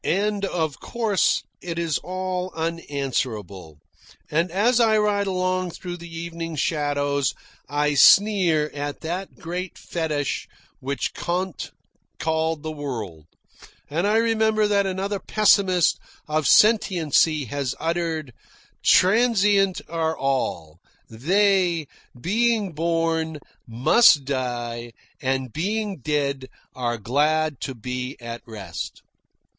And of course it is all unanswerable, and as I ride along through the evening shadows I sneer at that Great Fetish which Comte called the world. And I remember what another pessimist of sentiency has uttered: "Transient are all. They, being born, must die, and, being dead, are glad to be at rest."